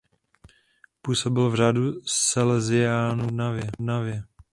Působil v řádu salesiánů v Trnavě.